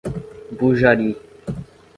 Bujari